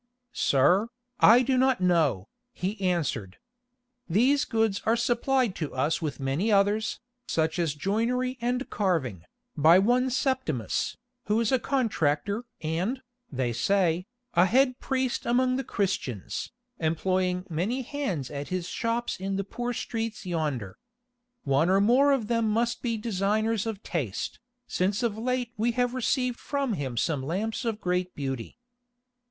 "Sir, I do not know," he answered. "These goods are supplied to us with many others, such as joinery and carving, by one Septimus, who is a contractor and, they say, a head priest among the Christians, employing many hands at his shops in the poor streets yonder. One or more of them must be designers of taste, since of late we have received from him some lamps of great beauty."